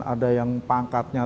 ada yang pangkatnya